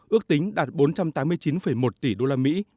ước tính đạt bốn trăm tám mươi chín một tỷ usd